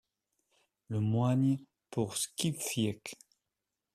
Le Moigne pour Squiffiec.